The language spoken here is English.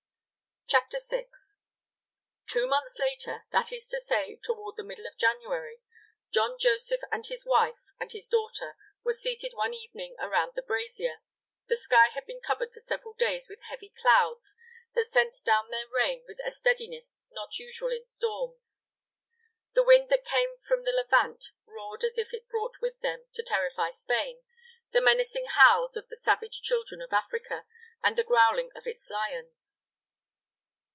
'" CHAPTER VI Two months later, that is to say, toward the middle of January, John Joseph, his wife, and his daughter were seated one evening around the brazier. The sky had been covered for several days with heavy clouds that sent down their rain with a steadiness not usual in storms. The wind that came from the Levant roared as if it brought with it, to terrify Spain, the menacing howls of the savage children of Africa and the growling of its lions.